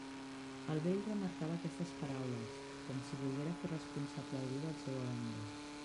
El vell remarcava aquestes paraules, com si volguera fer responsable algú del seu abandó.